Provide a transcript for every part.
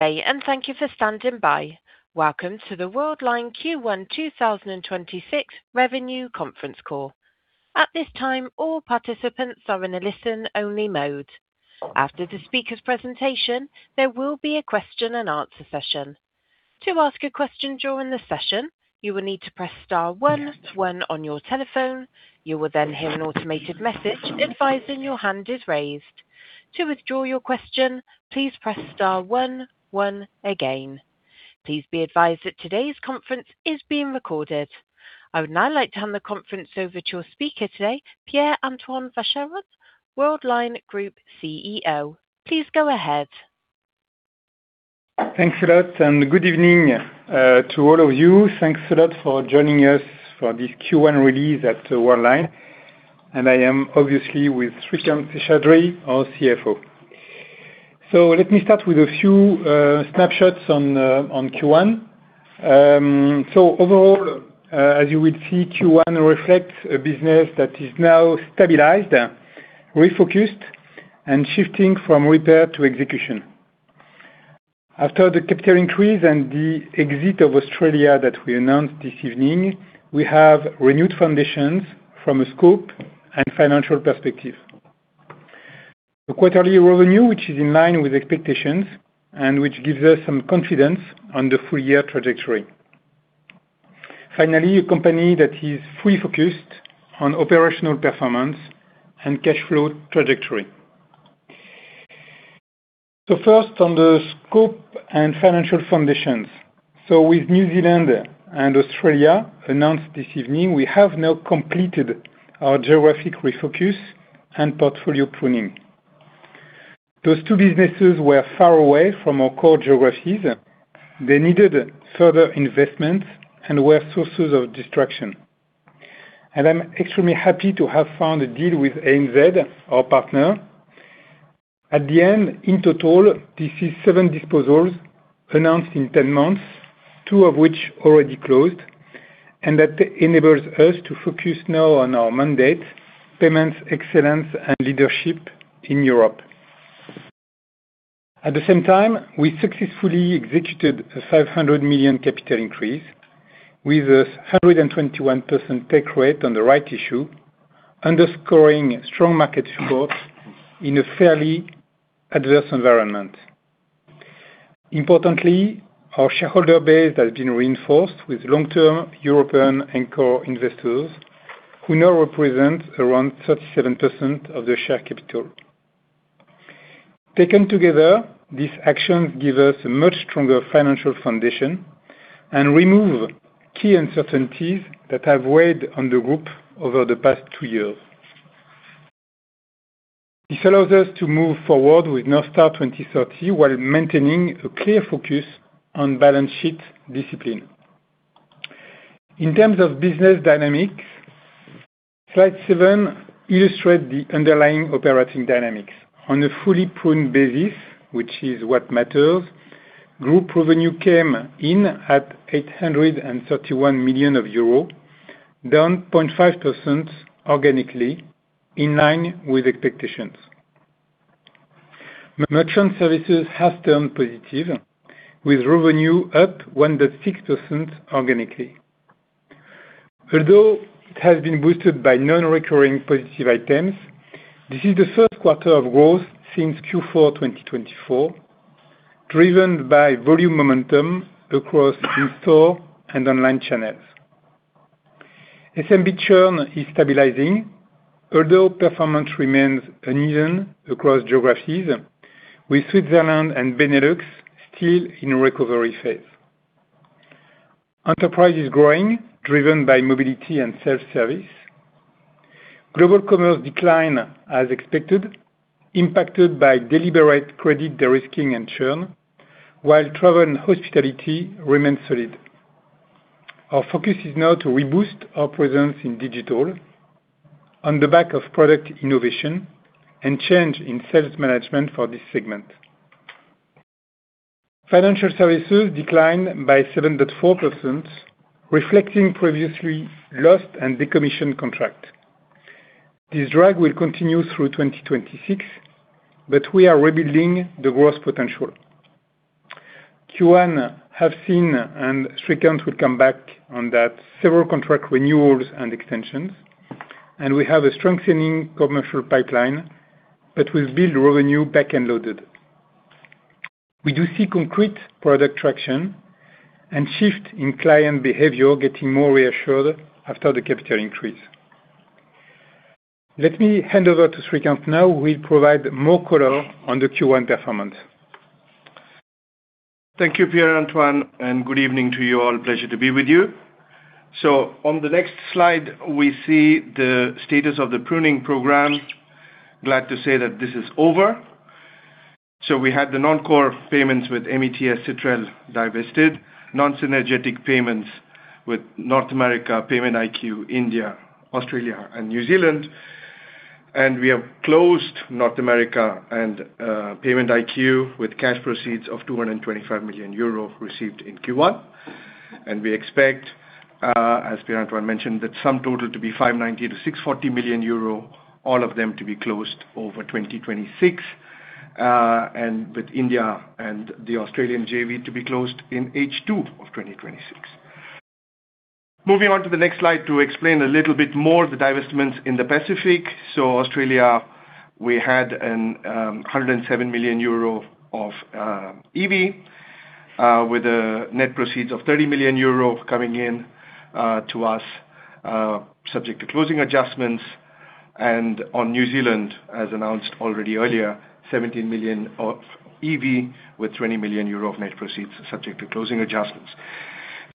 Thank you for standing by. Welcome to the Worldline Q1 2026 Revenue Conference Call. At this time, all participants are in a listen-only mode. After the speaker's presentation, there will be a question and answer session. To ask a question during the session, you will need to press star one when on your telephone. You will then hear an automated message advising your hand is raised. To withdraw your question, please press star one one again. Please be advised that today's conference is being recorded I would now like to hand the conference over to your speaker today, Pierre-Antoine Vacheron, Worldline Group CEO. Please go ahead. Thanks a lot, good evening to all of you. Thanks a lot for joining us for this Q1 release at the Worldline. I am obviously with Srikanth Seshadri, our CFO. Let me start with a few snapshots on Q1. Overall, as you would see, Q1 reflects a business that is now stabilized, refocused, and shifting from repair to execution. After the capital increase and the exit of Australia that we announced this evening, we have renewed foundations from a scope and financial perspective. A quarterly revenue, which is in line with expectations and which gives us some confidence on the full-year trajectory. A company that is free focused on operational performance and cash flow trajectory. First, on the scope and financial foundations. With New Zealand and Australia announced this evening, we have now completed our geographic refocus and portfolio pruning. Those two businesses were far away from our core geographies. They needed further investments and were sources of distraction. I'm extremely happy to have found a deal with ANZ, our partner. At the end, in total, this is seven disposals announced in 10 months, two of which already closed, and that enables us to focus now on our mandate, payments, excellence, and leadership in Europe. At the same time, we successfully executed a 500 million capital increase with a 121% take rate on the rights issue, underscoring strong market support in a fairly adverse environment. Importantly, our shareholder base has been reinforced with long-term European anchor investors who now represent around 37% of the share capital. Taken together, these actions give us a much stronger financial foundation and remove key uncertainties that have weighed on the group over the past two years. This allows us to move forward with North Star 2030 while maintaining a clear focus on balance sheet discipline. In terms of business dynamics, slide seven illustrates the underlying operating dynamics. On a fully pruned basis, which is what matters, group revenue came in at 831 million euro, down 0.5% organically, in line with expectations. Merchant Services has turned positive, with revenue up 1.6% organically. Although it has been boosted by non-recurring positive items, this is the first quarter of growth since Q4, 2024, driven by volume momentum across in-store and online channels. SMB churn is stabilizing, although performance remains uneven across geographies, with Switzerland and Benelux still in recovery phase. Enterprise is growing, driven by mobility and self-service. Global commerce decline as expected, impacted by deliberate credit de-risking and churn, while travel and hospitality remain solid. Our focus is now to reboost our presence in digital on the back of product innovation and change in sales management for this segment. Financial services declined by 7.4%, reflecting previously lost and decommissioned contract. This drag will continue through 2026, but we are rebuilding the growth potential. Q1 have seen, and Srikanth will come back on that, several contract renewals and extensions, and we have a strengthening commercial pipeline that will build revenue back and loaded. We do see concrete product traction and shift in client behavior getting more reassured after the capital increase. Let me hand over to Srikanth now, who will provide more color on the Q1 performance. Thank you, Pierre-Antoine, and good evening to you all. Pleasure to be with you. On the next slide, we see the status of the pruning program. Glad to say that this is over. We had the non-core payments with MeTS, Cetrel divested, non-synergetic payments with North America, PaymentIQ, India, Australia, and New Zealand. We have closed North America and PaymentIQ with cash proceeds of 225 million euro received in Q1. We expect, as Pierre-Antoine mentioned, that sum total to be 590 million-640 million euro, all of them to be closed over 2026, and with India and the Australian JV to be closed in H2 of 2026. Moving on to the next slide to explain a little bit more the divestments in the Pacific. Australia, we had an 107 million euro of EV, with a net proceeds of 30 million euro coming in to us, subject to closing adjustments. On New Zealand, as announced already earlier, 17 million of EV, with 20 million euro of net proceeds subject to closing adjustments.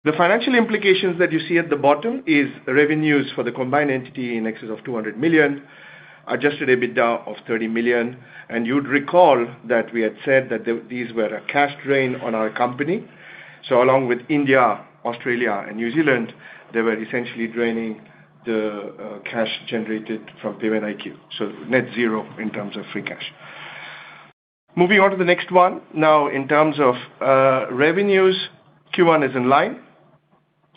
The financial implications that you see at the bottom is revenues for the combined entity in excess of 200 million, adjusted EBITDA of 30 million. You'd recall that we had said that these were a cash drain on our company. Along with India, Australia and New Zealand, they were essentially draining the cash generated from PaymentIQ. Net zero in terms of free cash. Moving on to the next one. Now, in terms of revenues, Q1 is in line.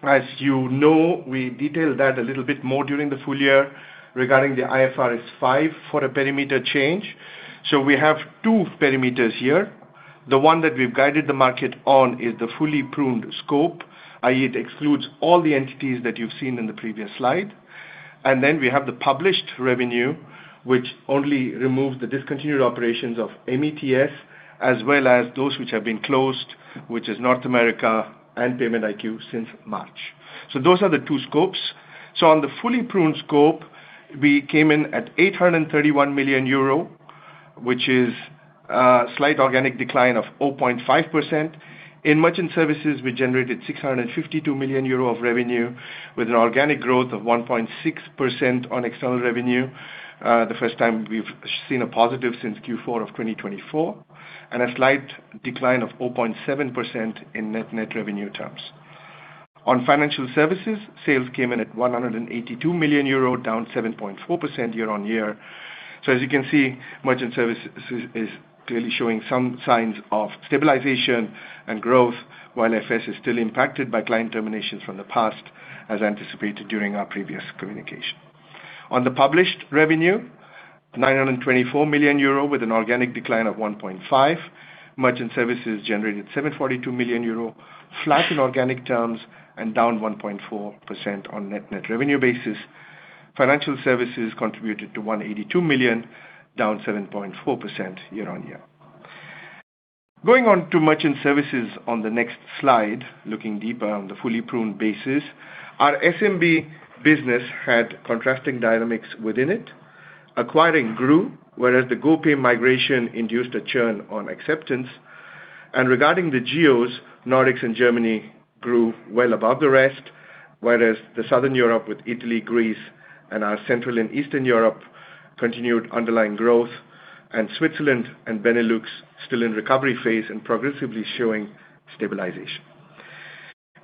As you know, we detailed that a little bit more during the full year regarding the IFRS 5 for a perimeter change. We have two perimeters here. The one that we've guided the market on is the fully pruned scope, i.e., it excludes all the entities that you've seen in the previous slide. Then we have the published revenue, which only removes the discontinued operations of MeTS as well as those which have been closed, which is North America and PaymentIQ since March. Those are the two scopes. On the fully pruned scope, we came in at 831 million euro, which is a slight organic decline of 0.5%. In merchant services, we generated 652 million euro of revenue with an organic growth of 1.6% on external revenue. The first time we've seen a positive since Q4 of 2024. A slight decline of 0.7% in net net revenue terms. On Financial Services, sales came in at 182 million euro, down 7.4% year-on-year. As you can see, Merchant Services is clearly showing some signs of stabilization and growth, while FS is still impacted by client terminations from the past, as anticipated during our previous communication. On the published revenue, 924 million euro with an organic decline of 1.5%. Merchant Services generated 742 million euro, flat in organic terms and down 1.4% on net net revenue basis. Financial Services contributed to 182 million, down 7.4% year-on-year. Going on to Merchant Services on the next slide, looking deeper on the fully pruned basis. Our SMB business had contrasting dynamics within it. Acquiring grew, whereas the GoPay migration induced a churn on acceptance. Regarding the geos, Nordics and Germany grew well above the rest, whereas the Southern Europe with Italy, Greece and our Central and Eastern Europe continued underlying growth, and Switzerland and Benelux still in recovery phase and progressively showing stabilization.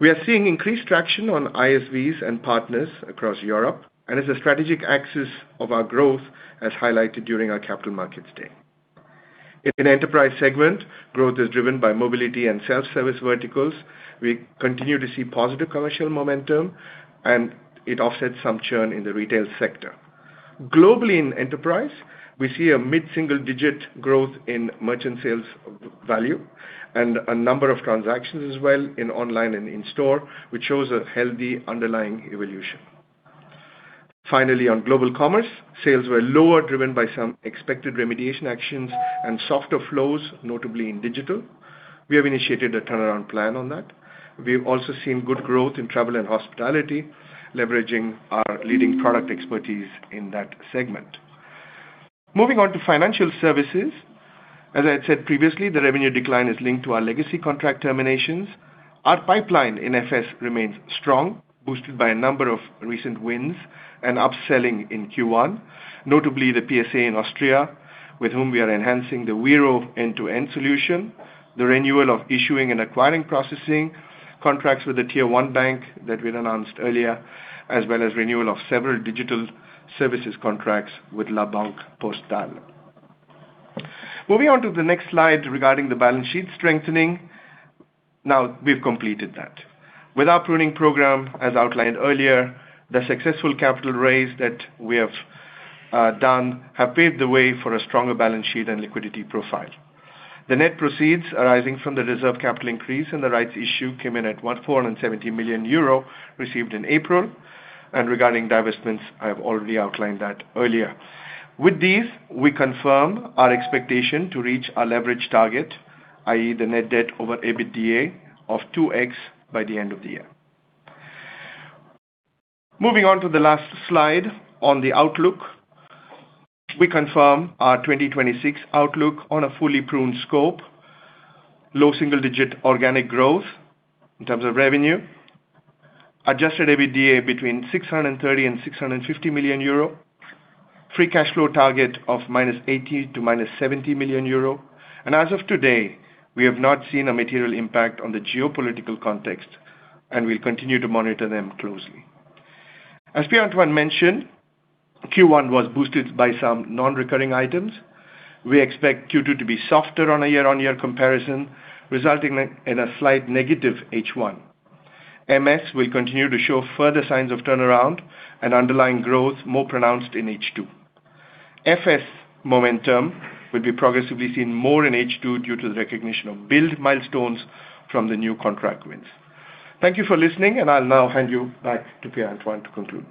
We are seeing increased traction on ISVs and partners accross Europe. It's a strategic axis of our growth as highlighted during our Capital Markets Day. In Enterprise segment, growth is driven by mobility and self-service verticals. We continue to see positive commercial momentum, and it offsets some churn in the retail sector. Globally, in enterprise, we see a mid-single-digit growth in merchant sales value and a number of transactions as well in online and in store, which shows a healthy underlying evolution. Finally, on global commerce, sales were lower, driven by some expected remediation actions and softer flows, notably in digital. We have initiated a turnaround plan on that. We've also seen good growth in travel and hospitality, leveraging our leading product expertise in that segment. Moving on to Financial Services. As I had said previously, the revenue decline is linked to our legacy contract terminations. Our pipeline in FS remains strong, boosted by a number of recent wins and upselling in Q1, notably the PSA in Austria, with whom we are enhancing the Wero end-to-end solution, the renewal of issuing and acquiring processing contracts with the tier one bank that we'd announced earlier, as well as renewal of several digital services contracts with La Banque Postale. Moving on to the next slide regarding the balance sheet strengthening. Now, we've completed that. With our pruning program, as outlined earlier, the successful capital raise that we have done have paved the way for a stronger balance sheet and liquidity profile. The net proceeds arising from the reserve capital increase and the rights issue came in at 170 million euro received in April. Regarding divestments, I have already outlined that earlier. With these, we confirm our expectation to reach our leverage target, i.e., the net debt over EBITDA of 2x by the end of the year. Moving on to the last slide on the outlook. We confirm our 2026 outlook on a fully pruned scope. Low single-digit organic growth in terms of revenue. Adjusted EBITDA between 630 million and 650 million euro. Free cash flow target of -80 million to -70 million euro. As of today, we have not seen a material impact on the geopolitical context, and we'll continue to monitor them closely. As Pierre-Antoine mentioned, Q1 was boosted by some non-recurring items. We expect Q2 to be softer on a year-on-year comparison, resulting in a slight negative H1. MS will continue to show further signs of turnaround and underlying growth more pronounced in H2. FS momentum will be progressively seen more in H2 due to the recognition of build milestones from the new contract wins. Thank you for listening, and I'll now hand you back to Pierre-Antoine to conclude.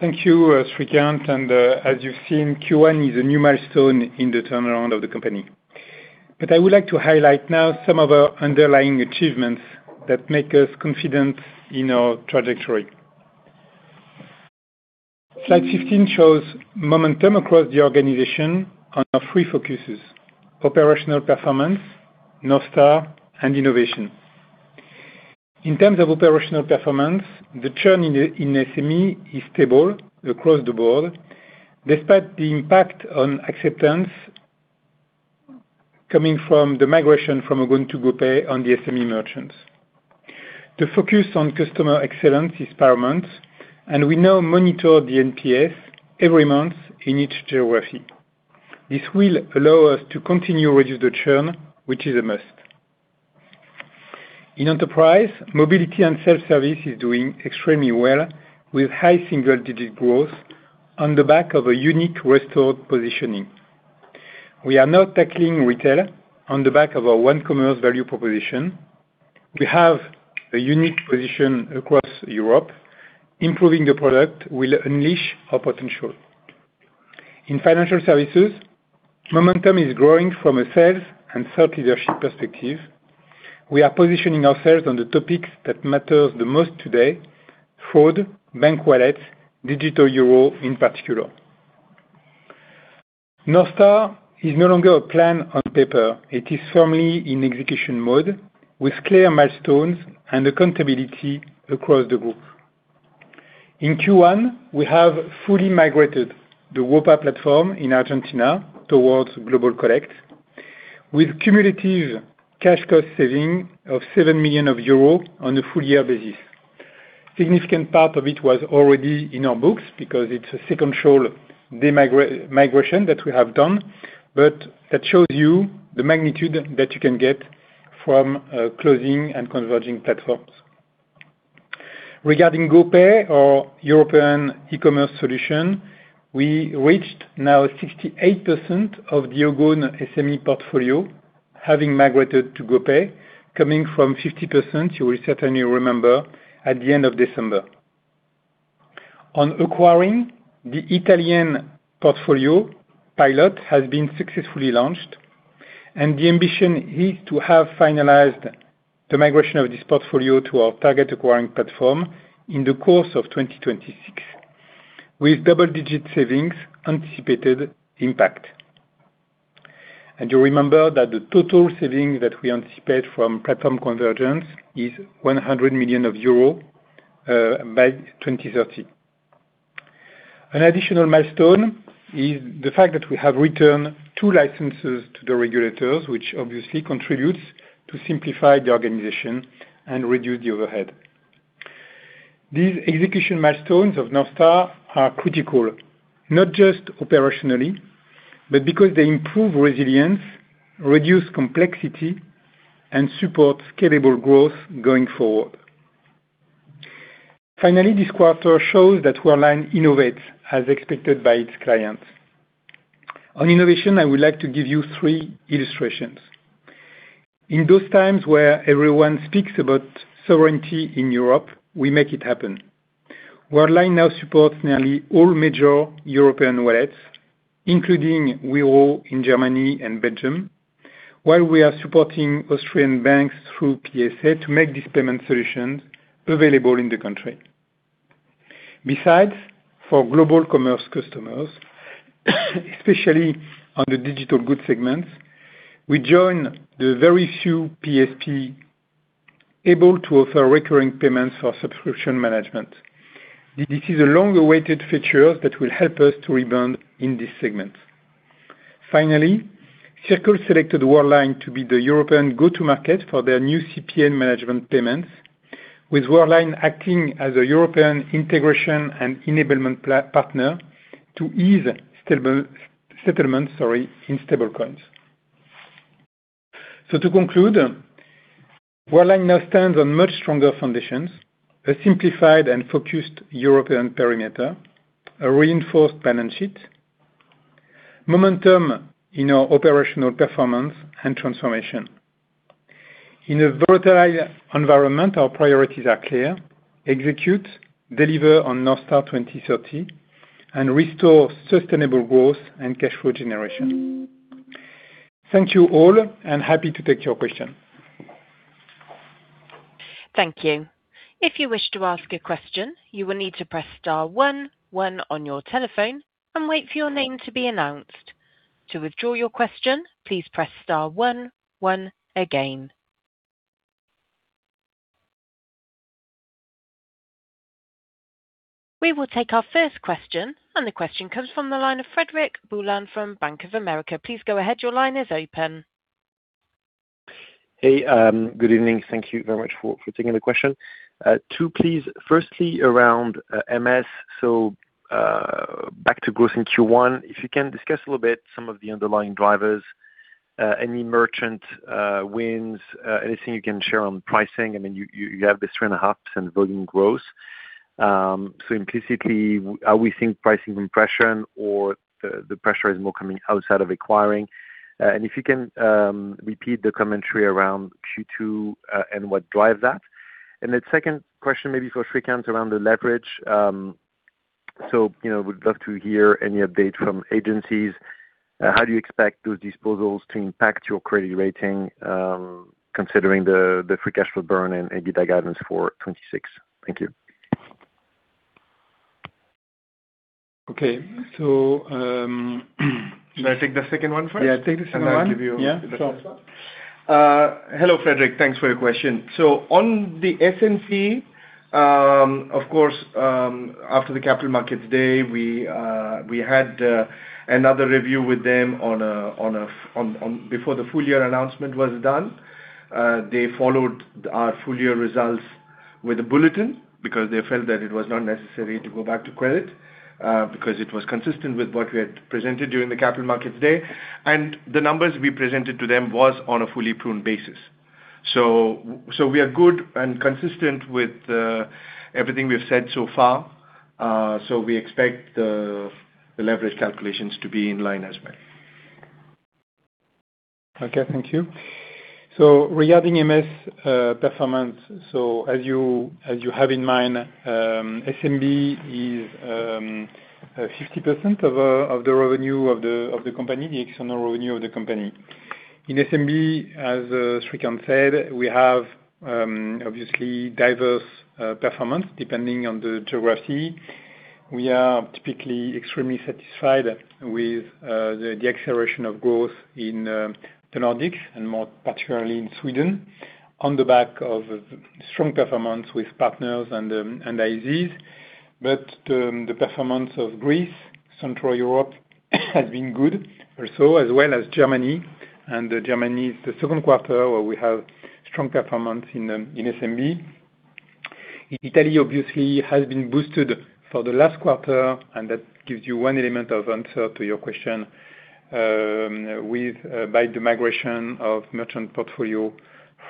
Thank you, Srikanth. As you've seen, Q1 is a new milestone in the turnaround of the company. I would like to highlight now some of our underlying achievements that make us confident in our trajectory. Slide 15 shows momentum across the organization on our three focuses: operational performance, North Star, and innovation. In terms of operational performance, the churn in SME is stable across the board, despite the impact on acceptance coming from the migration from Ogone to GoPay on the SME merchants. The focus on customer excellence is paramount, and we now monitor the NPS every month in each geography. This will allow us to continue reduce the churn, which is a must. In enterprise, mobility and self-service is doing extremely well with high single-digit growth on the back of a unique restored positioning. We are now tackling retail on the back of our One Commerce value proposition. We have a unique position across Europe. Improving the product will unleash our potential. In financial services, momentum is growing from a sales and sales leadership perspective. We are positioning ourselves on the topics that matters the most today: fraud, bank wallet, digital euro in particular. North Star is no longer a plan on paper. It is firmly in execution mode with clear milestones and accountability across the group. In Q1, we have fully migrated the WOPA platform in Argentina towards Global Collect with cumulative cash cost saving of 7 million euro on a full year basis. Significant part of it was already in our books because it's a second migration that we have done. That shows you the magnitude that you can get from closing and converging platforms. Regarding GoPay or European e-commerce solution, we reached now 68% of the Ogone SME portfolio, having migrated to GoPay, coming from 50%, you will certainly remember, at the end of December. On Acquiring the Italian portfolio, pilot has been successfully launched, and the ambition is to have finalized the migration of this portfolio to our target Acquiring platform in the course of 2026, with double-digit savings anticipated impact. You remember that the total saving that we anticipate from platform convergence is 100 million euro by 2030. An additional milestone is the fact that we have returned two licenses to the regulators, which obviously contributes to simplify the organization and reduce the overhead. These execution milestones of North Star are critical, not just operationally, but because they improve resilience, reduce complexity, and support scalable growth going forward. Finally, this quarter shows that Worldline innovates as expected by its clients. On innovation, I would like to give you three illustrations. In those times where everyone speaks about sovereignty in Europe, we make it happen. Worldline now supports nearly all major European wallets, including Wero in Germany and Belgium, while we are supporting Austrian banks through PSA to make these payment solutions available in the country. Besides, for global commerce customers, especially on the digital goods segments, we join the very few PSP able to offer recurring payments for subscription management. This is a long-awaited feature that will help us to rebound in this segment. Finally, Circle selected Worldline to be the European go-to-market for their new CPN management payments, with Worldline acting as a European integration and enablement partner to ease settlement, sorry, in stablecoins. To conclude, Worldline now stands on much stronger foundations, a simplified and focused European perimeter, a reinforced balance sheet, momentum in our operational performance and transformation. In a volatile environment, our priorities are clear: execute, deliver on North Star 2030, and restore sustainable growth and cash flow generation. Thank you all, and happy to take your question. Thank you. If you wish to ask a question, you will need to press star one one on your telephone and wait for your name to be announced. To withdraw your question, please press star one one again. We will take our first question. The question comes from the line of Frederic Boulan from Bank of America. Please go ahead. Your line is open. Hey, good evening. Thank you very much for taking the question. Two please. Firstly, around MS. Back to growth in Q1. If you can discuss a little bit some of the underlying drivers, any merchant wins, anything you can share on pricing. I mean, you have this 3.5% volume growth. Implicitly, are we seeing pricing compression or the pressure is more coming outside of acquiring? If you can repeat the commentary around Q2, and what drives that. Second question maybe for Srikanth around the leverage. You know, would love to hear any update from agencies. How do you expect those disposals to impact your credit rating, considering the free cash flow burn and EBITDA guidance for 2026? Thank you. Okay. Shall I take the second one first? Yeah, take the second one. I'll give you the first one. Yeah. Sure. Hello, Frederic. Thanks for your question. On the S&P, of course, after the Capital Markets Day, we had another review with them before the full year announcement was done. They followed our full year results with a bulletin because they felt that it was not necessary to go back to credit, because it was consistent with what we had presented during the Capital Markets Day. The numbers we presented to them was on a fully prune basis. We are good and consistent with everything we've said so far. We expect the leverage calculations to be in line as well. Okay, thank you. Regarding MS performance, as you have in mind, SMB is 50% of the revenue of the company, the external revenue of the company. In SMB, as Srikanth said, we have obviously diverse performance depending on the geography. We are typically extremely satisfied with the acceleration of growth in the Nordics, and more particularly in Sweden, on the back of strong performance with partners and ISVs. The performance of Greece, Central Europe, has been good also, as well as Germany. Germany is the second quarter where we have strong performance in SMB. Italy obviously has been boosted for the last quarter, and that gives you one element of answer to your question, with, by the migration of merchant portfolio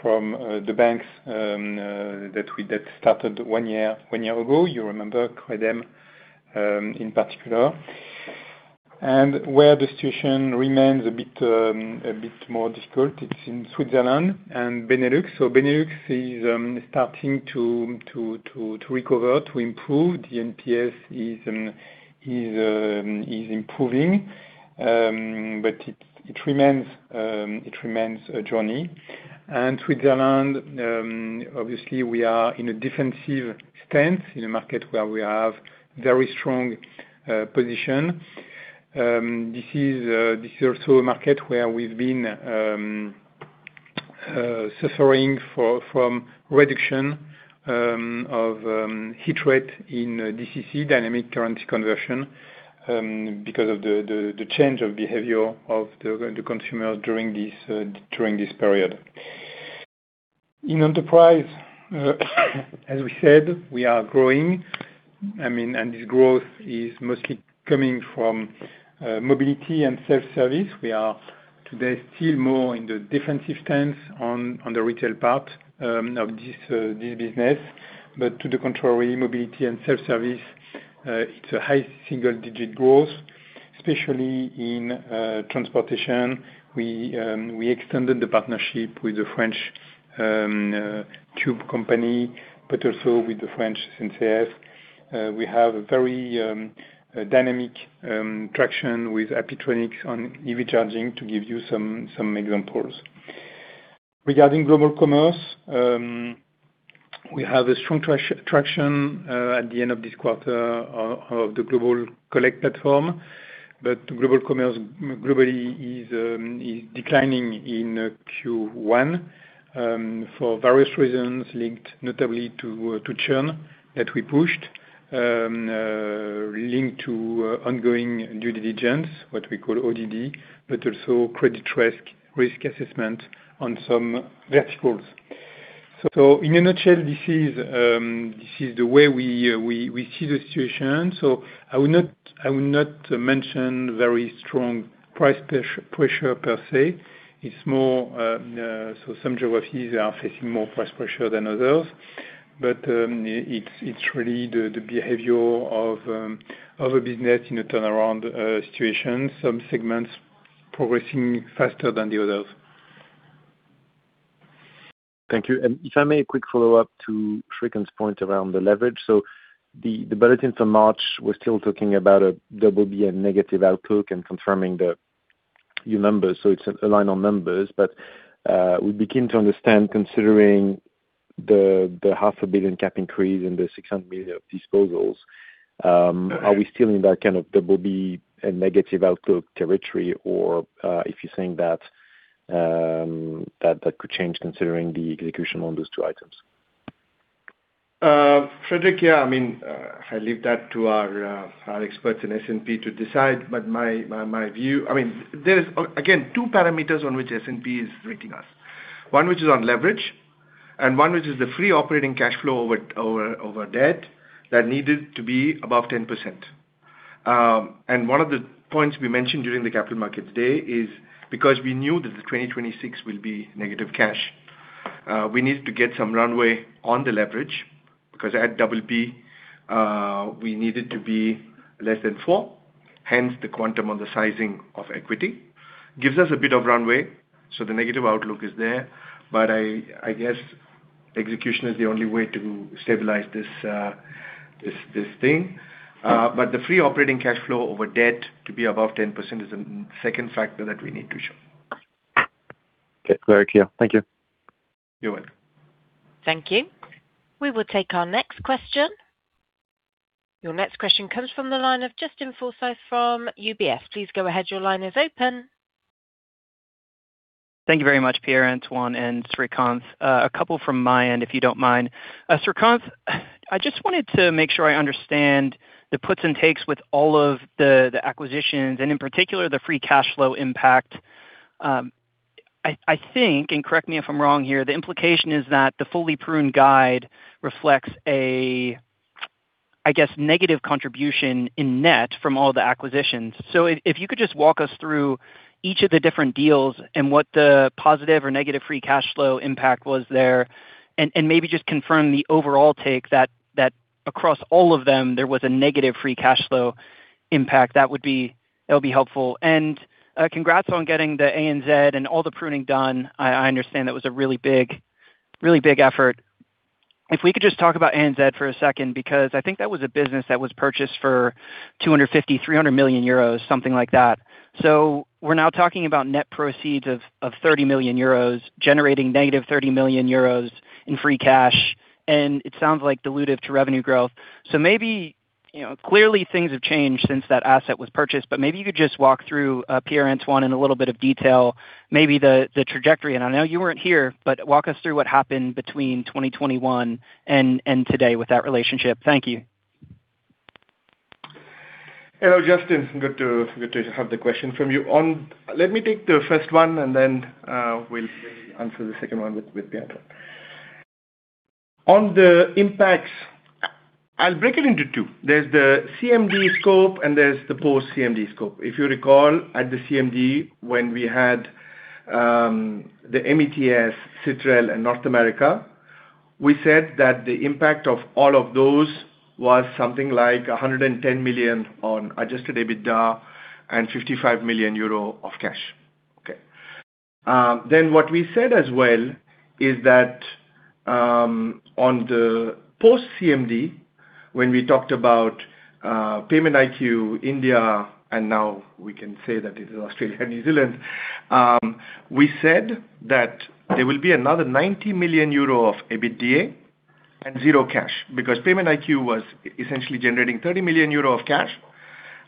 from the banks that started one year ago. You remember Credem in particular. Where the situation remains a bit more difficult, it's in Switzerland and Benelux. Benelux is starting to recover, to improve. The NPS is improving. It remains a journey. Switzerland, obviously we are in a defensive stance in a market where we have very strong position. This is, this is also a market where we've been suffering for, from reduction of hit rate in DCC, dynamic currency conversion, because of the, the change of behavior of the consumer during this, during this period. In enterprise, as we said, we are growing. I mean, this growth is mostly coming from mobility and self-service. We are today still more in the defensive stance on the retail part of this business. To the contrary, mobility and self-service, it's a high single-digit growth, especially in transportation. We, we extended the partnership with the French tube company, but also with the French SNCF. We have a very dynamic traction with Alpitronic on EV charging to give you some examples. Regarding global commerce, we have a strong traction at the end of this quarter of the Global Collect platform. Global commerce globally is declining in Q1 for various reasons linked notably to churn that we pushed, linked to ongoing due diligence, what we call ODD, but also credit risk assessment on some verticals. In a nutshell, this is the way we see the situation. I would not mention very strong price pressure per se. It's more, so some geographies are facing more price pressure than others. It's really the behavior of a business in a turnaround situation. Some segments progressing faster than the others. Thank you. If I may, a quick follow-up to Srikanth's point around the leverage. The bulletin from March, we're still talking about a BB and negative outlook and confirming your numbers, so it's aligned on numbers. We begin to understand considering the half a billion cap increase and the 600 million of disposals, are we still in that kind of BB and negative outlook territory? If you're saying that could change considering the execution on those two items? Frederic, I mean, I leave that to our experts in S&P to decide. My view, again, two parameters on which S&P is rating us. One which is on leverage, and one which is the free operating cash flow over debt that needed to be above 10%. One of the points we mentioned during the Capital Markets Day is because we knew that the 2026 will be negative cash, we needed to get some runway on the leverage because at BB, we needed to be less than four, hence the quantum on the sizing of equity. Gives us a bit of runway, the negative outlook is there. I guess execution is the only way to stabilize this thing. The free operating cash flow over debt to be above 10% is the second factor that we need to show. Okay. Very clear. Thank you. You're welcome. Thank you. We will take our next question. Your next question comes from the line of Justin Forsythe from UBS. Please go ahead. Your line is open. Thank you very much, Pierre-Antoine and Srikanth. A couple from my end, if you don't mind. Srikanth, I just wanted to make sure I understand the puts and takes with all of the acquisitions, and in particular, the free cash flow impact. I think, and correct me if I'm wrong here, the implication is that the fully prune guide reflects a, I guess, negative contribution in net from all the acquisitions. If you could just walk us through each of the different deals and what the positive or negative free cash flow impact was there, and maybe just confirm the overall take that across all of them there was a negative free cash flow impact. That would be helpful. Congrats on getting the ANZ and all the pruning done. I understand that was a really big effort. If we could just talk about ANZ for a second, because I think that was a business that was purchased for 250, 300 million euros, something like that. We're now talking about net proceeds of 30 million euros generating -30 million euros in free cash, and it sounds like dilutive to revenue growth. Maybe, you know, clearly things have changed since that asset was purchased, but maybe you could just walk through Pierre-Antoine, in a little bit of detail, maybe the trajectory. I know you weren't here, but walk us through what happened between 2021 and today with that relationship. Thank you. Hello, Justin. Good to have the question from you. Let me take the first one, then we'll answer the second one with Pierre-Antoine. On the impacts, I'll break it into two. There's the CMD scope and there's the post-CMD scope. If you recall, at the CMD, when we had the MeTS, Cetrel and North America, we said that the impact of all of those was something like 110 million on aAdjusted EBITDA and 55 million euro of cash. Okay. What we said as well is that on the post-CMD, when we talked about PaymentIQ, India, and now we can say that it is Australia and New Zealand, we said that there will be another 90 million euro of EBITDA and zero cash because PaymentIQ was essentially generating 30 million euro of cash.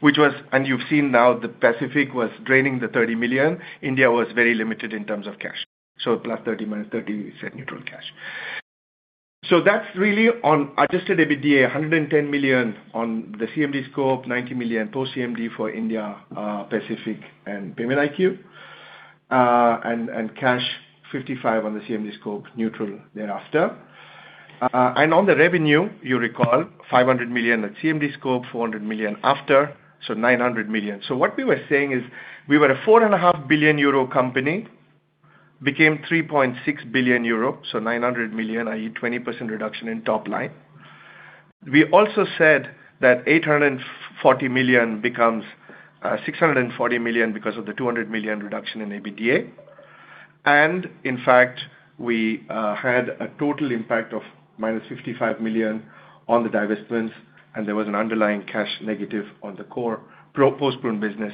You've seen now the Pacific was draining the 30 million. India was very limited in terms of cash. +30, -30, we said neutral cash. That's really on adjusted EBITDA, 110 million on the CMD scope, 90 million post-CMD for India, Pacific and PaymentIQ. Cash 55 on the CMD scope neutral thereafter. On the revenue, you recall 500 million at CMD scope, 400 million after, so 900 million. What we were saying is we were a 4.5 billion euro company, became 3.6 billion euro, so 900 million, i.e., 20% reduction in top line. We also said that 840 million becomes 640 million because of the 200 million reduction in EBITDA. In fact, we had a total impact of -55 million on the divestments, and there was an underlying cash negative on the core post-prune business.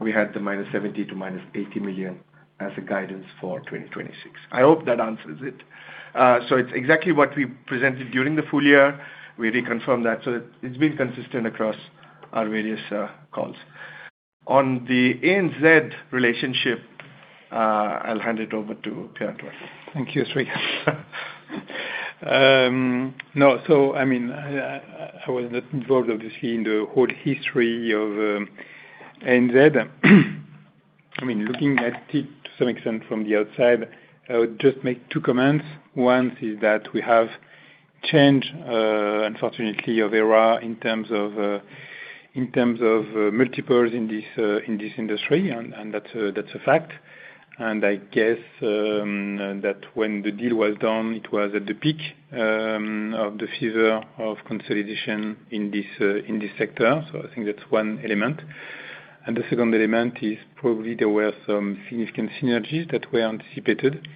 We had the -70 million to -80 million as a guidance for 2026. I hope that answers it. It's exactly what we presented during the full year. We reconfirmed that. It's been consistent across our various calls. On the ANZ relationship, I'll hand it over to Pierre-Antoine. Thank you, Sri. No. I mean, I was not involved obviously in the whole history of ANZ. I mean, looking at it to some extent from the outside, I would just make two comments. One is that we have change, unfortunately, of era in terms of multiples in this industry. That's a fact. I guess that when the deal was done, it was at the peak of the fever of consolidation in this sector. I think that's one element. The second element is probably there were some significant synergies that were anticipated.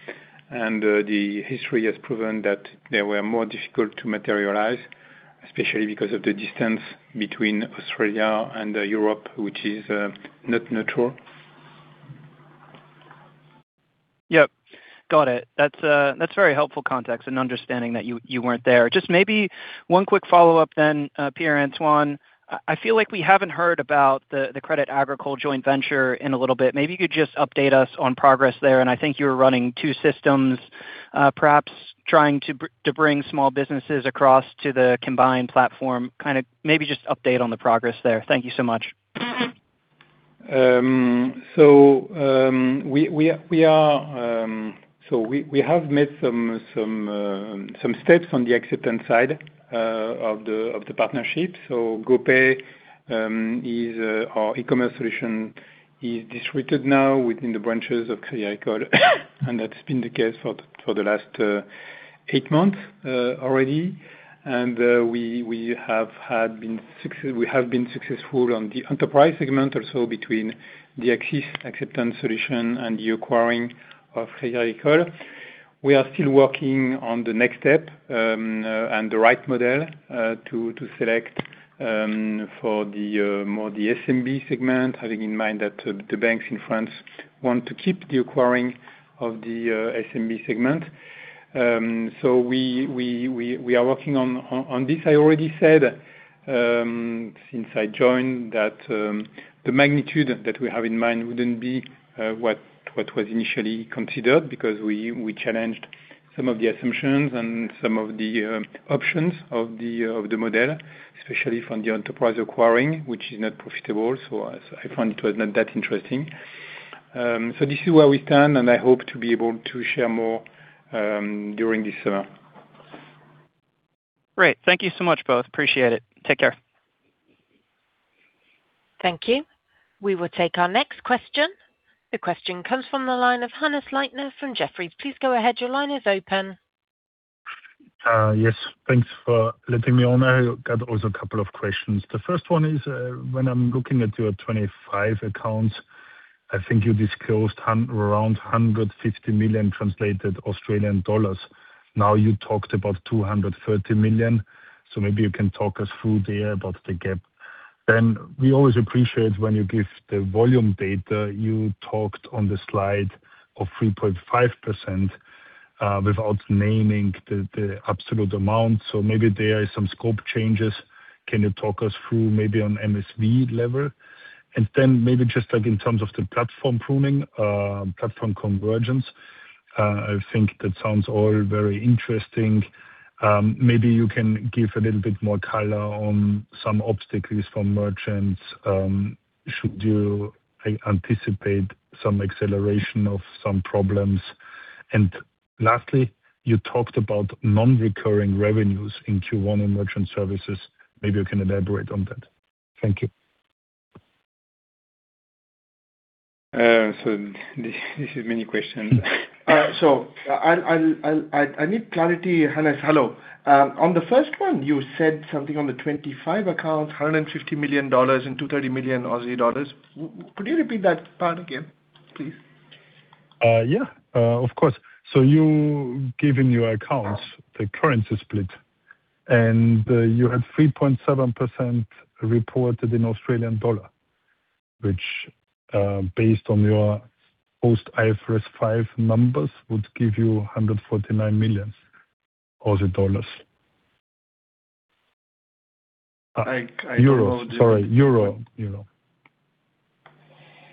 The history has proven that they were more difficult to materialize, especially because of the distance between Australia and Europe, which is not neutral. Yep. Got it. That's that's very helpful context and understanding that you weren't there. Just maybe one quick follow-up, Pierre-Antoine. I feel like we haven't heard about the Crédit Agricole joint venture in a little bit. Maybe you could just update us on progress there. I think you were running two systems, perhaps trying to bring small businesses across to the combined platform. Kinda maybe just update on the progress there. Thank you so much. We have made some steps on the acceptance side of the partnership. GoPay, our e-commerce solution is distributed now within the branches of Crédit Agricole. That's been the case for the last eight months already. We have had been success. We have been successful on the enterprise segment also between the Acquiring acceptance solution and the acquiring of Crédit Agricole. We are still working on the next step and the right model to select for the more the SMB segment, having in mind that the banks in France want to keep the acquiring of the SMB segment. We are working on this. I already said since I joined, that the magnitude that we have in mind wouldn't be what was initially considered, because we challenged some of the assumptions and some of the options of the model, especially from the enterprise acquiring, which is not profitable. I found it was not that interesting. This is where we stand, and I hope to be able to share more during this summer. Great. Thank you so much, both. Appreciate it. Take care. Thank you. We will take our next question. The question comes from the line of Hannes Leitner from Jefferies. Please go ahead. Your line is open. Yes. Thanks for letting me on. I got also a couple of questions. The first one is, when I'm looking at your 25 accounts, I think you disclosed around 150 million translated. Now you talked about 230 million, so maybe you can talk us through there about the gap. We always appreciate when you give the volume data. You talked on the slide of 3.5%, without naming the absolute amount, so maybe there are some scope changes. Can you talk us through maybe on MSV level? Maybe just like in terms of the platform pruning, platform convergence, I think that sounds all very interesting. Maybe you can give a little bit more color on some obstacles from merchants. Should you anticipate some acceleration of some problems? Lastly, you talked about non-recurring revenues in Q1 in merchant services. Maybe you can elaborate on that. Thank you. This is many questions. I need clarity, Hannes. Hello. On the first one, you said something on the 25 accounts, EUR 150 million and 230 million Aussie dollars. Could you repeat that part again, please? Yeah. Of course. You gave in your accounts the currency split, and you had 3.7% reported in Australian dollar, which, based on your post IFRS 5 numbers, would give you 149 million Aussie dollars. I don't know. Euros. Sorry. Euro. Euro.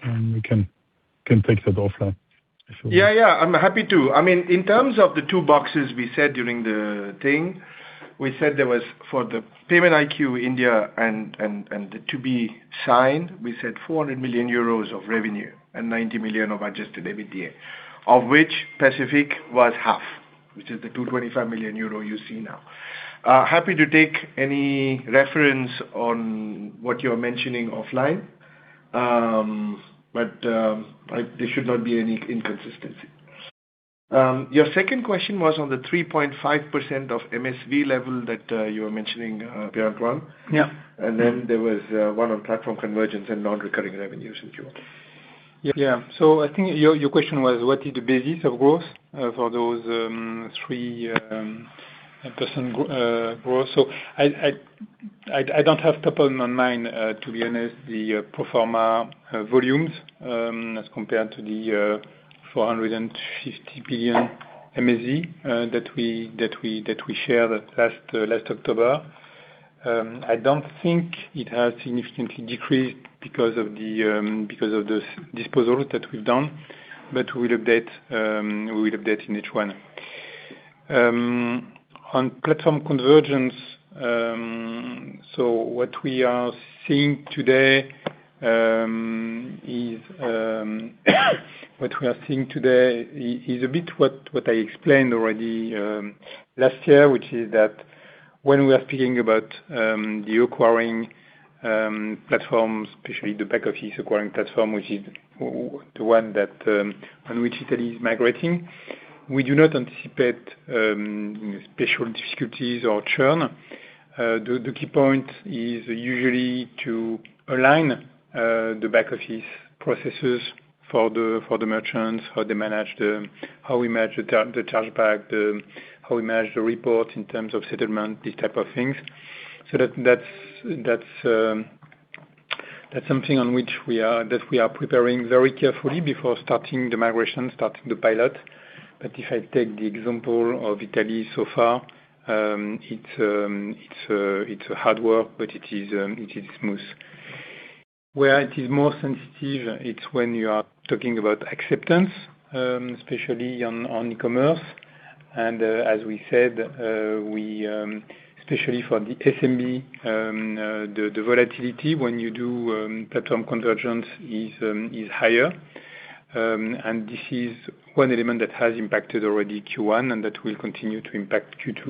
We can take that offline if you want. Yeah, yeah. I'm happy to. I mean, in terms of the two boxes we said during the thing, we said there was, for the PaymentIQ India and the to-be signed, we said 400 million euros of revenue and 90 million of adjusted EBITDA, of which Pacific was half, which is the 225 million euro you see now. Happy to take any reference on what you're mentioning offline. There should not be any inconsistency. Your second question was on the 3.5% of MSV level that you were mentioning, Pierre-Antoine. Yeah. Then there was one on platform convergence and non-recurring revenues in Q1. Yeah. Yeah. I think your question was what is the basis of growth for those 3% growth. I don't have top on my mind, to be honest, the pro forma volumes, as compared to the 450 billion MSV that we shared at last October. I don't think it has significantly decreased because of the disposal that we've done, but we'll update, we'll update in H1. On platform convergence, what we are seeing today is a bit what I explained already last year, which is that when we are speaking about the acquiring platforms, especially the back office acquiring platform, which is the one that on which Italy is migrating, we do not anticipate special difficulties or churn. The key point is usually to align the back office processes for the merchants, how we manage the chargeback, how we manage the report in terms of settlement, these type of things. That's something on which we are preparing very carefully before starting the migration, starting the pilot. If I take the example of Italy so far, it's hard work, but it is smooth. Where it is more sensitive, it's when you are talking about acceptance, especially on e-commerce. As we said, we, especially for the SMB, the volatility when you do platform convergence is higher. This is one element that has impacted already Q1 and that will continue to impact Q2.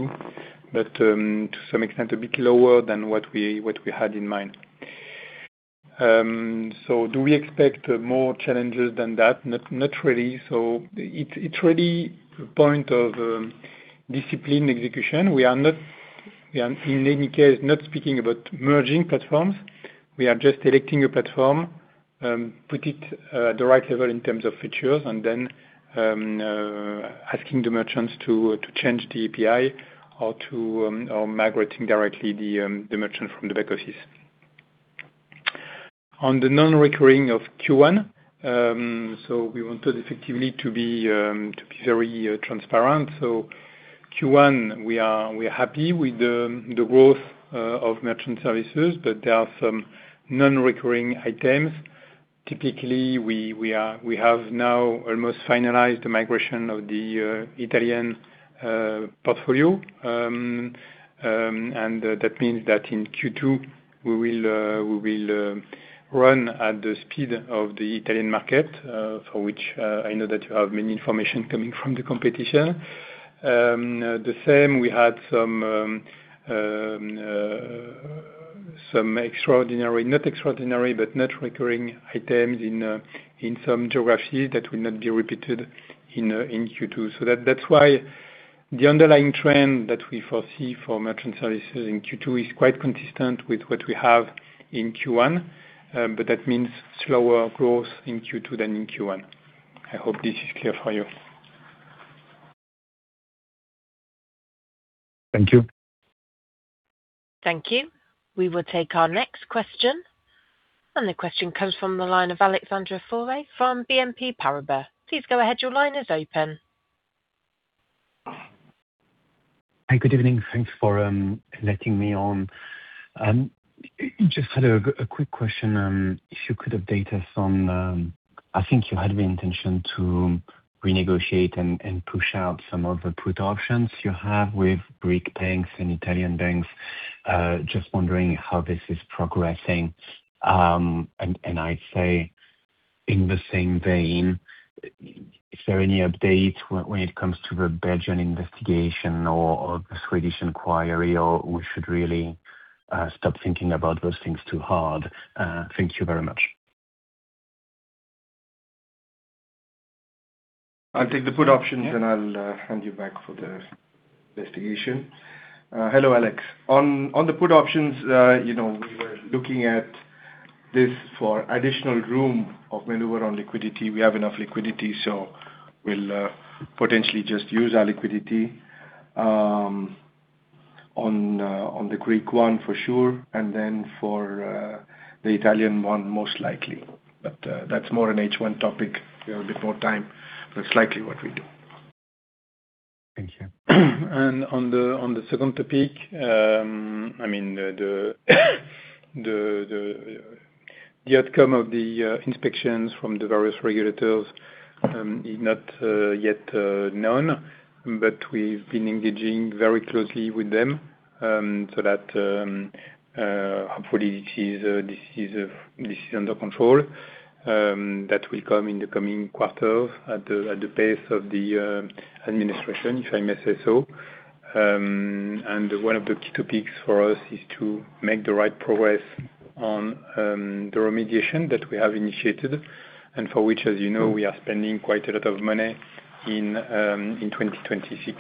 To some extent, a bit lower than what we had in mind. Do we expect more challenges than that? Not, not really. It's really a point of discipline execution. We are not, we are in any case not speaking about merging platforms. We are just electing a platform, put it the right level in terms of features and then asking the merchants to change the API or to, or migrating directly the merchant from the ecosystem. On the non-recurring of Q1, we wanted effectively to be, to be very transparent. Q1, we are happy with the growth of merchant services, but there are some non-recurring items. Typically, we have now almost finalized the migration of the Italian portfolio. That means that in Q2, we will run at the speed of the Italian market, for which I know that you have many information coming from the competition. The same, we had some not extraordinary, but non-recurring items in some geographies that will not be repeated in Q2. That's why the underlying trend that we foresee for merchant services in Q2 is quite consistent with what we have in Q1. That means slower growth in Q2 than in Q1. I hope this is clear for you. Thank you. Thank you. We will take our next question. The question comes from the line of Alexandre Faure from BNP Paribas. Please go ahead. Your line is open. Hi, good evening. Thanks for letting me on. Just had a quick question. If you could update us on, I think you had the intention to renegotiate and push out some of the put options you have with Greek banks and Italian banks. Just wondering how this is progressing. I'd say in the same vein, is there any update when it comes to the Belgian investigation or the Swedish inquiry, or we should really stop thinking about those things too hard? Thank you very much. I'll take the put options. Yeah. I'll hand you back for the investigation. Hello, Alex. On the put options, you know, we were looking at this for additional room of maneuver on liquidity. We have enough liquidity, we'll potentially just use our liquidity on the Greek one for sure, and then for the Italian one, most likely. That's more an H1 topic. We have a bit more time, it's likely what we do. Thank you. On the second topic, I mean, the outcome of the inspections from the various regulators is not yet known, but we've been engaging very closely with them so that hopefully this is under control. That will come in the coming quarter at the pace of the administration, if I may say so. One of the key topics for us is to make the right progress on the remediation that we have initiated and for which, as you know, we are spending quite a lot of money in 2026.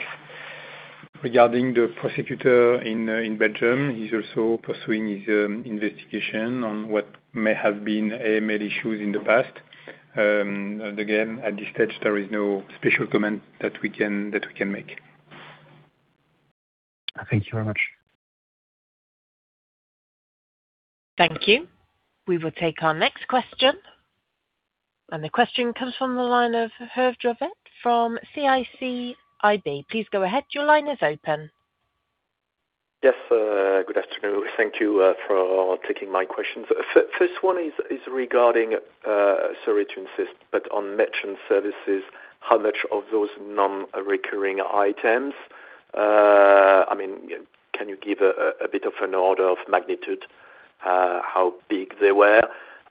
Regarding the prosecutor in Belgium, he's also pursuing his investigation on what may have been AML issues in the past. Again, at this stage, there is no special comment that we can make. Thank you very much. Thank you. We will take our next question. The question comes from the line of Hervé Drouet from CIC IB. Please go ahead. Your line is open. Yes, good afternoon. Thank you for taking my questions. First one is regarding, sorry to insist, but on Merchant Services, how much of those non-recurring items? I mean, can you give a bit of an order of magnitude, how big they were?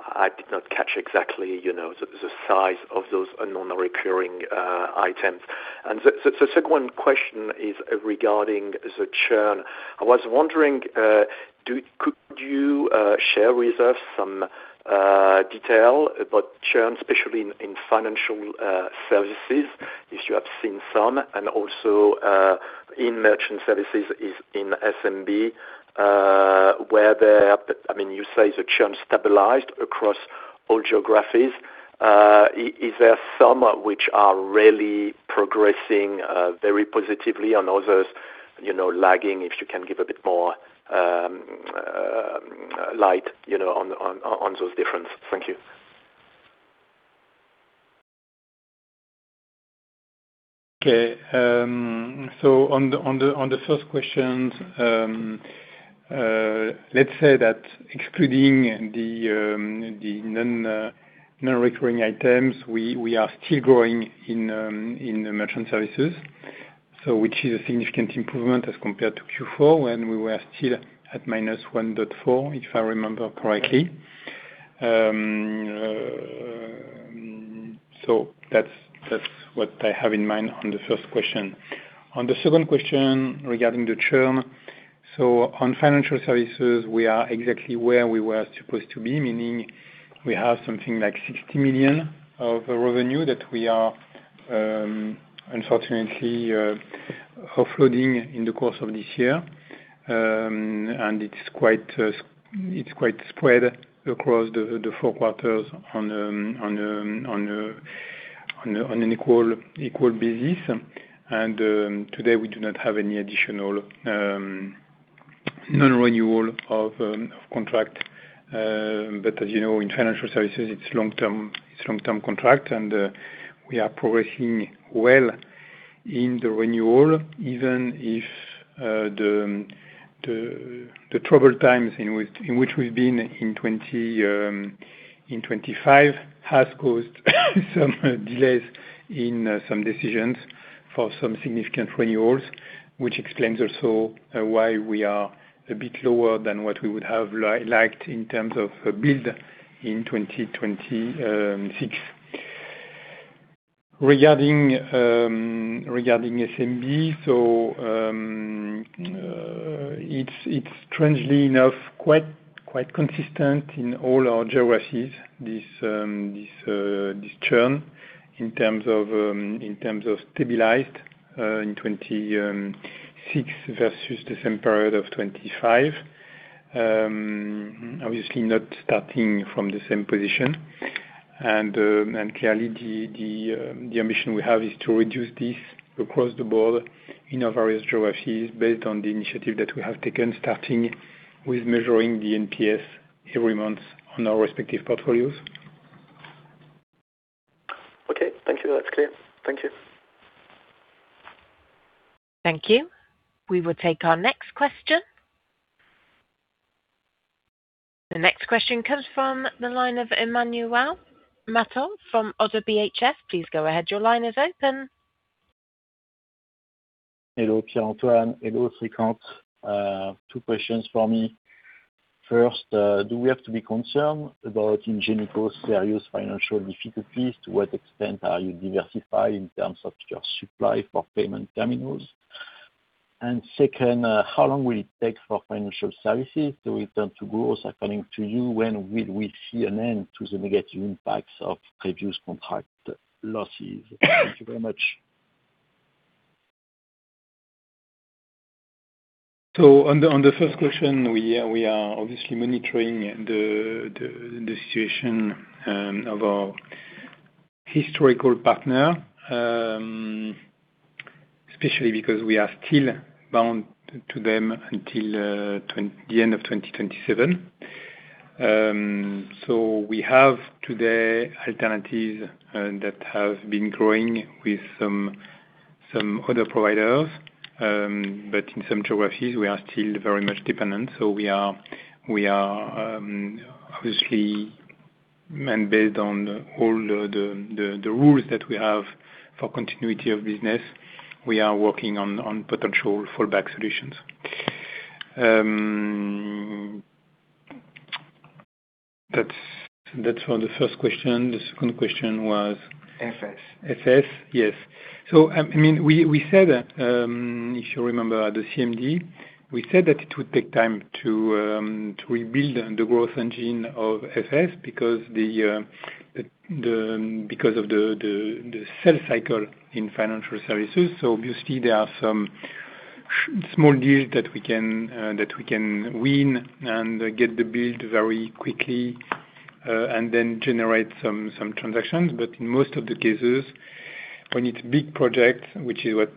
I did not catch exactly, you know, the size of those non-recurring items. The second question is regarding the churn. I was wondering, could you share with us some detail about churn, especially in Financial Services, if you have seen some, and also in Merchant Services in SMB? I mean, you say the churn stabilized across all geographies. Is there some which are really progressing very positively and others, you know, lagging? If you can give a bit more light, you know, on those difference. Thank you. Okay. On the first question, let's say that excluding the non-non-recurring items, we are still growing in the merchant services. Which is a significant improvement as compared to Q4 when we were still at -1.4%, if I remember correctly. That's what I have in mind on the first question. On the second question regarding the churn. On Financial Services, we are exactly where we were supposed to be, meaning we have something like 60 million of revenue that we are unfortunately offloading in the course of this year. It's quite spread across the four quarters on an equal basis. Today we do not have any additional non-renewal of contract. As you know, in financial services it's long-term, it's long-term contract and we are progressing well in the renewal, even if the troubled times in which we've been in 2025 has caused some delays in some decisions for some significant renewals. Which explains also why we are a bit lower than what we would have liked in terms of build in 2026. Regarding SMB. It's strangely enough, quite consistent in all our geographies. This churn in terms of in terms of stabilized in 2026 versus the same period of 2025. Obviously not starting from the same position. Clearly the ambition we have is to reduce this across the board in our various geographies based on the initiative that we have taken, starting with measuring the NPS every month on our respective portfolios. Okay. Thank you. That is clear. Thank you. Thank you. We will take our next question. The next question comes from the line of Emmanuel Matot from ODDO BHF. Please go ahead. Your line is open. Hello, Pierre-Antoine. Hello, Srikanth. Two questions for me. First, do we have to be concerned about Ingenico's serious financial difficulties? To what extent are you diversified in terms of your supply for payment terminals? Second, how long will it take for financial services to return to growth according to you, when will we see an end to the negative impacts of previous contract losses? Thank you very much. On the first question, we are obviously monitoring the situation of our historical partner, especially because we are still bound to them until the end of 2027. We have today alternatives that have been growing with some other providers. In some geographies we are still very much dependent. We are obviously, and based on all the rules that we have for continuity of business, we are working on potential fallback solutions. That's for the first question. The second question was. FS. FS. Yes. I mean, we said, if you remember at the CMD, we said that it would take time to rebuild the growth engine of FS because of the sell cycle in financial services. Obviously there are some small deals that we can win and get the build very quickly and then generate some transactions. In most of the cases, when it's big project, which is what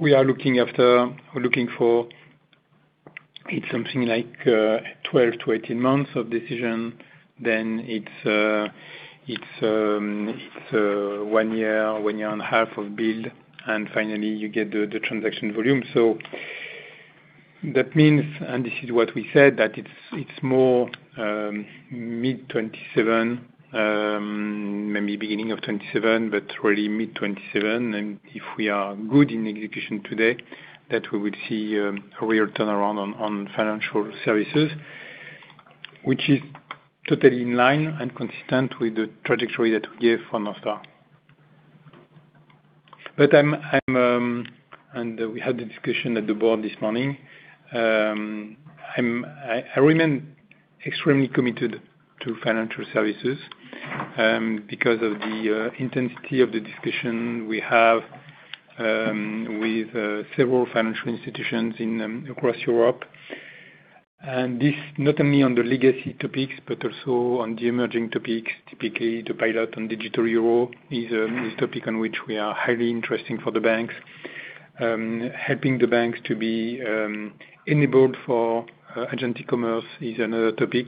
we are looking after or looking for, it's something like 12-18 months of decision. It's 1.5 year of build, and finally you get the transaction volume. That means, and this is what we said, that it's more mid 2027, maybe beginning of 2027, but really mid 2027. If we are good in execution today, that we would see a real turnaround on Financial Services, which is totally in line and consistent with the trajectory that we gave from the start. We had the discussion at the board this morning. I remain extremely committed to Financial Services because of the intensity of the discussion we have with several financial institutions in across Europe. This not only on the legacy topics, but also on the emerging topics. Typically, the pilot on digital euro is topic on which we are highly interesting for the banks. Helping the banks to be enabled for agent e-commerce is another topic.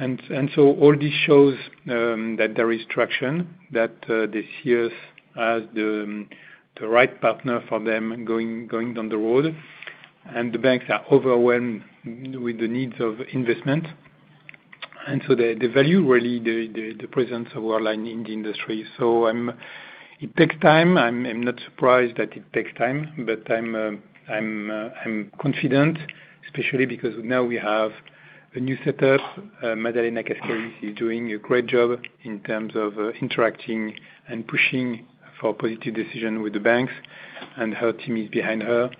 All this shows that there is traction, that they see us as the right partner for them going down the road. The banks are overwhelmed with the needs of investment. The value really the presence of Worldline in the industry. It takes time. I'm not surprised that it takes time, but I'm confident, especially because now we have a new setup. Madalena Cascais is doing a great job in terms of interacting and pushing for positive decision with the banks, and her team is behind her.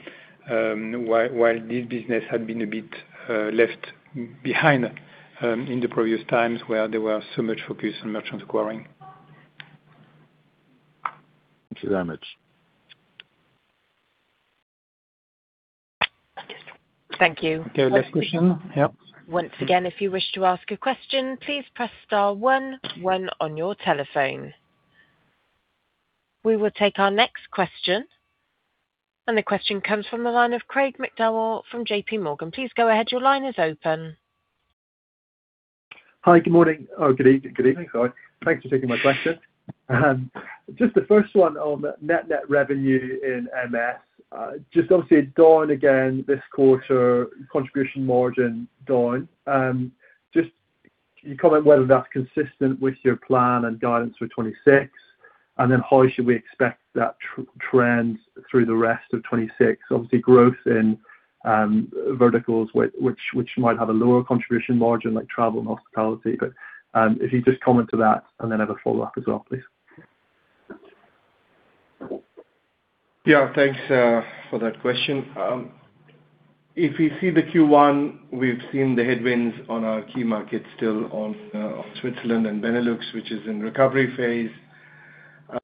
While this business had been a bit left behind in the previous times where there was so much focus on merchant acquiring. Thank you very much. Thank you. Okay, last question. Yeah. Once again, if you wish to ask a question, please press star one on your telephone. We will take our next question, and the question comes from the line of Craig McDowell from JPMorgan. Please go ahead. Your line is open. Hi. Good morning. Good evening. Sorry. Thanks for taking my question. Just the first one on net revenue in MS. Just obviously down again this quarter, contribution margin down. Just can you comment whether that's consistent with your plan and guidance for 2026? How should we expect that trend through the rest of 2026? Obviously, growth in verticals which might have a lower contribution margin, like travel and hospitality. If you just comment to that, and then I have a follow-up as well, please. Yeah. Thanks for that question. If you see the Q1, we've seen the headwinds on our key markets still on Switzerland and Benelux, which is in recovery phase.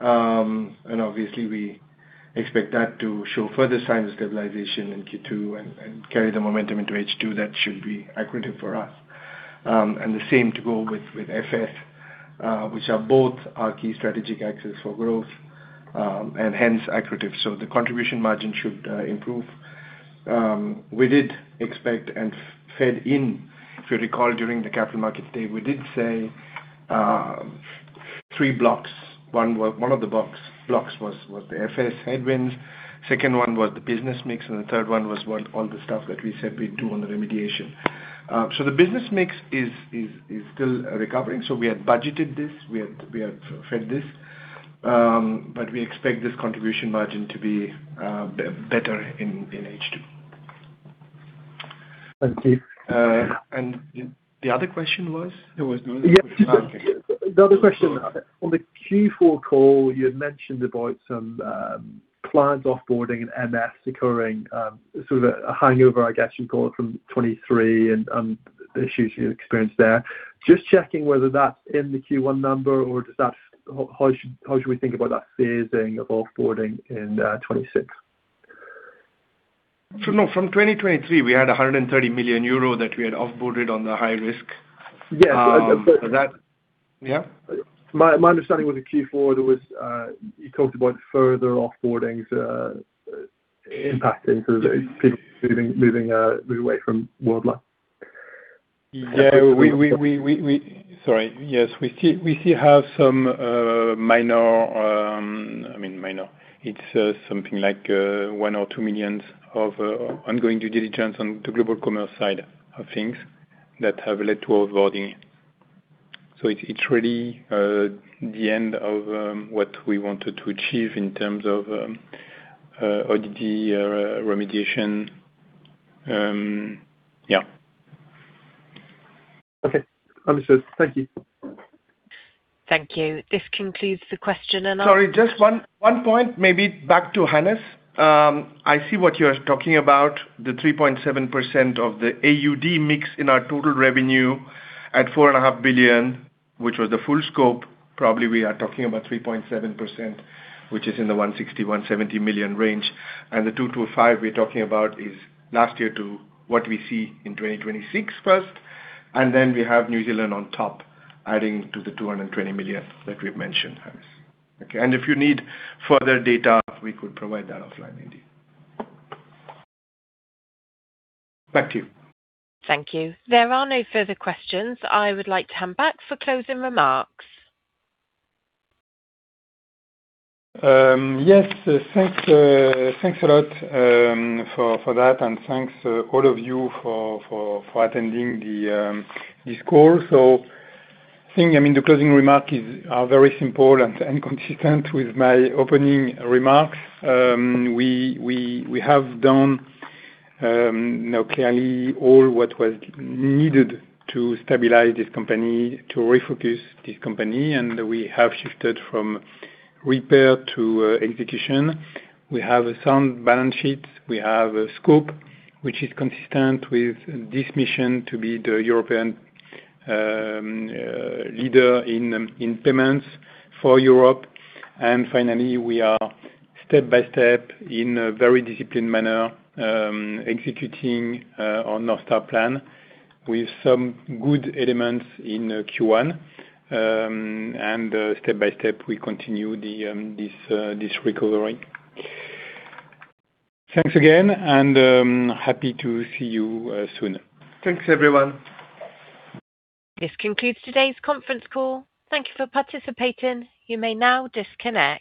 Obviously, we expect that to show further signs of stabilization in Q2 and carry the momentum into H2. That should be accretive for us. The same to go with FS, which are both our key strategic axis for growth, and hence accretive. The contribution margin should improve. We did expect and fed in, if you recall during the Capital Markets Day, we did say three blocks. One of the blocks was the FS headwinds. Second one was the business mix. The third one was what? All the stuff that we said we'd do on the remediation. The business mix is still recovering. We had budgeted this. We had fed this. We expect this contribution margin to be better in H2. Thank you. The other question was? There was another one. The other question. On the Q4 call, you had mentioned about some clients offboarding in MS occurring, sort of a hangover, I guess you'd call it, from 2023 and the issues you experienced there. Just checking whether that's in the Q1 number. How should we think about that phasing of offboarding in 2026? No, from 2023, we had 130 million euro that we had offboarded on the high risk. Yes. Yeah. My understanding was at Q4, you talked about further offboarding, impacting, people moving, move away from Worldline. Yeah. We. Sorry. Yes. We still have some minor. I mean, minor. It's something like 1 million or 2 million of ongoing due diligence on the global commerce side of things that have led to offboarding. It's really the end of what we wanted to achieve in terms of ODD remediation. Yeah. Okay. Understood. Thank you. Thank you. This concludes the question and answer. Sorry, just one point. Maybe back to Hannes. I see what you are talking about, the 3.7% of the AUD mix in our total revenue at 4.5 billion, which was the full scope. Probably, we are talking about 3.7%, which is in the 160 million-170 million range. The 225 we're talking about is last year to what we see in 2026 first, then we have New Zealand on top, adding to the 220 million that we've mentioned, Hannes. Okay. If you need further data, we could provide that offline indeed. Back to you. Thank you. There are no further questions. I would like to hand back for closing remarks. Yes. Thanks, thanks a lot for that, and thanks all of you for attending this call. I mean, the closing remark is very simple and consistent with my opening remarks. We have done now clearly all what was needed to stabilize this company, to refocus this company, and we have shifted from repair to execution. We have a sound balance sheet. We have a scope which is consistent with this mission to be the European leader in payments for Europe. Finally, we are step by step in a very disciplined manner, executing our North Star plan with some good elements in Q1. Step by step, we continue this recovery. Thanks again, and happy to see you soon. Thanks, everyone This concludes today's conference call. Thank you for participating. You may now disconnect.